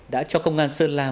đã cho công an sơn la